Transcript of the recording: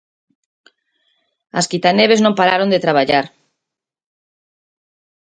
As quitaneves non pararon de traballar.